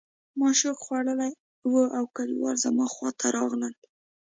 ما شوک خوړلی و او کلیوال زما خواته راغلل